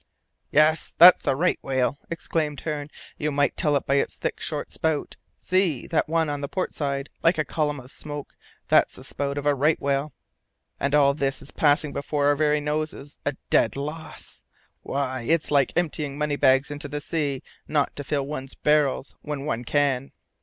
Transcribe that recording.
"Yes! that's a right whale," exclaimed Hearne. "You might tell it by its thick, short spout. See, that one on the port side, like a column of smoke, that's the spout of a right whale! And all this is passing before our very noses a dead loss! Why, it's like emptying money bags into the sea not to fill one's barrels when one can.